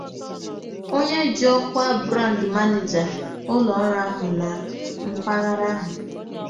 onye ji ọkwa 'Brand Manager' ụlọọrụ ahụ na mpaghara ahụ